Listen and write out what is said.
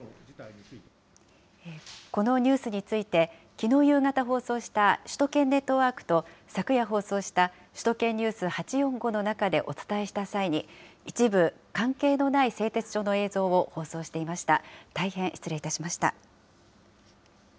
このニュースについて、きのう夕方放送した首都圏ネットワークと昨夜放送した首都圏ニュース８４５の中でお伝えした際に、一部、関係のない製鉄所の映像を放送していました。